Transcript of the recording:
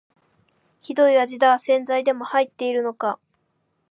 ひどい味だ、洗剤でも入ってるのか